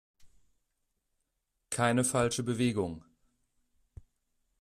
Keine falsche Bewegung!